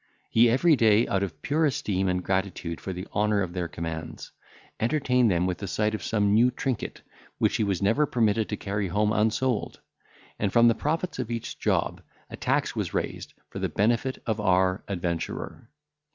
He every day, out of pure esteem and gratitude for the honour of their commands, entertained them with the sight of some new trinket, which he was never permitted to carry home unsold; and from the profits of each job, a tax was raised for the benefit of our adventurer.